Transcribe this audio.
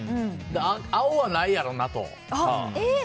青はないやろうなと。